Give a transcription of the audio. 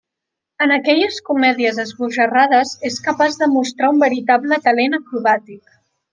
En aquelles comèdies esbojarrades és capaç de mostrar un veritable talent acrobàtic.